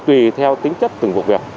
tùy theo tính chất từng vụ việc